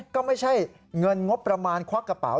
ก็ไม่ใช่เงินงบประมาณควักกระเป๋า